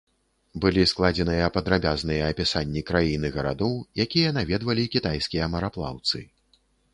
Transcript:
Былі складзеныя падрабязныя апісанні краін і гарадоў, якія наведвалі кітайскія мараплаўцы.